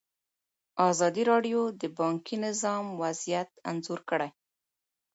ازادي راډیو د بانکي نظام وضعیت انځور کړی.